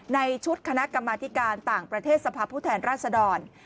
ในชุดคณะกรรมธิการต่างประเทศสภาพผู้แทนราชดร